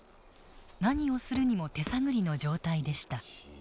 何をするにも手探りの状態でした。